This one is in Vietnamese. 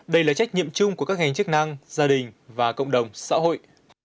đây là trách nhiệm chung của các ngành chức năng gia đình và cộng đồng xã hội